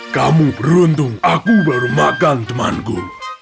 kamu beruntung aku baru makan temanku